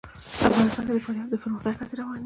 افغانستان کې د فاریاب د پرمختګ هڅې روانې دي.